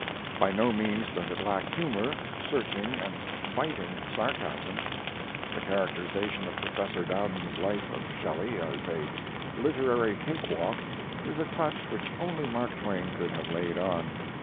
By no means does it lack humor, searching and biting sarcasm. The characterization of Professor Dowden's Life of Shelley as a "literary cake walk" is a touch which only Mark Twain could have laid on.